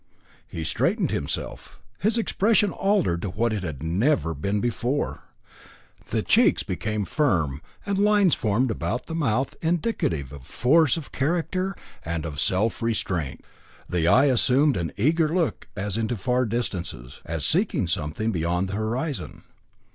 He straightened himself. His expression altered to what it never had been before. The cheeks became firm, and lines formed about the mouth indicative of force of character and of self restraint. The eye assumed an eager look as into far distances, as seeking something beyond the horizon.